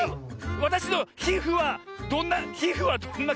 わたしのひふはどんなひふはどんなかんじですか？